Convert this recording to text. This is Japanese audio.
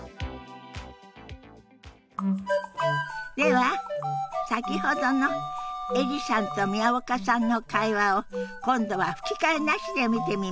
では先ほどのエリさんと宮岡さんの会話を今度は吹き替えなしで見てみましょう。